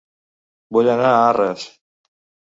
Vull anar a Arres